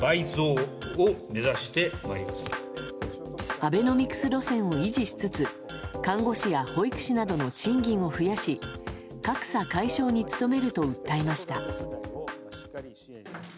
アベノミクス路線を維持しつつ看護師や保育士などの賃金を増やし格差解消に努めると訴えました。